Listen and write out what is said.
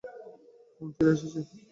হুম, ফিরে এসেছি।